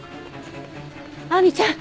亜美ちゃん！